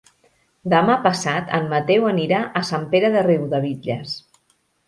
Demà passat en Mateu anirà a Sant Pere de Riudebitlles.